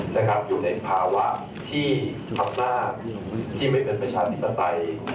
อยู่ในภาวะที่ธรรมดาที่ไม่เป็นประชาติปศัตริย์